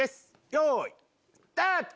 よいスタート！